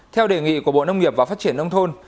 theo đề nghị của bộ nông nghiệp và phát triển nông thôn